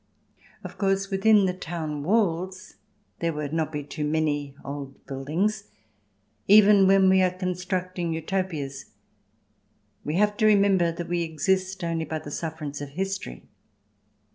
Of course, within the town walls there CH. IV] UTOPIA 47 would not be too many old buildings. Even when we are constructing Utopias we have to remember that we exist only by the sufferance of history.